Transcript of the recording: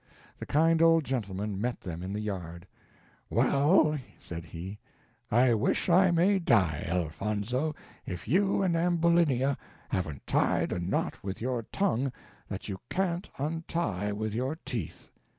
The kind old gentleman met them in the yard: "Well," said he, "I wish I may die, Elfonzo, if you and Ambulinia haven't tied a knot with your tongue that you can't untie with your teeth.